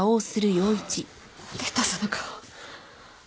出たその顔。